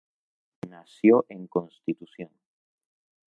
Nació en Constitución.